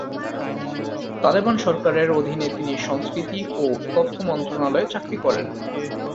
তালেবান সরকারের অধীনে তিনি সংস্কৃতি ও তথ্য মন্ত্রণালয়ে চাকরি করেন।